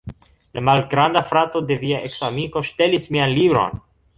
La malgranda frato de via eksamiko ŝtelis mian libron